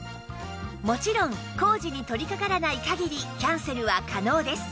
もちろん工事に取りかからない限りキャンセルは可能です